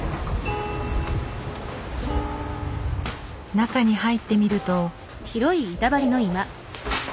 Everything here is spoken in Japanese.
中に入ってみると。